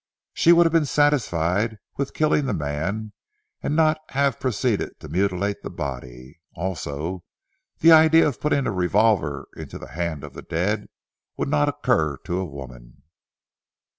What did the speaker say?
"She would have been satisfied with killing the man, and not have proceeded to mutilate the body. Also the idea of putting a revolver into the hand of the dead would not occur to a woman."